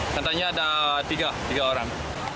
katanya ada tiga tiga orang